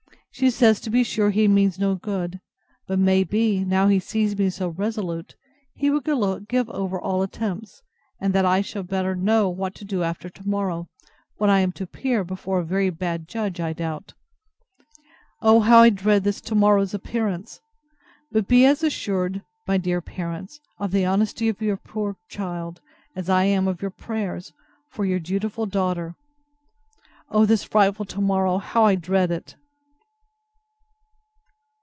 She says to be sure he means no good; but may be, now he sees me so resolute, he will give over all attempts; and that I shall better know what to do after to morrow, when I am to appear before a very bad judge, I doubt. O how I dread this to morrow's appearance! But be as assured, my dear parents, of the honesty of your poor child, as I am of your prayers for Your dutiful DAUGHTER. O this frightful to morrow; how I dread it!